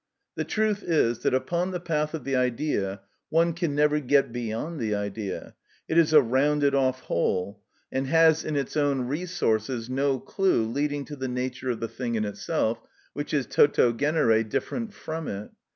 The truth is, that upon the path of the idea one can never get beyond the idea; it is a rounded off whole, and has in its own resources no clue leading to the nature of the thing in itself, which is toto genere different from it.